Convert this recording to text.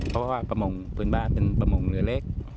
เพราะว่าประมงพื้นบ้านเป็นประมงเรือเล็ก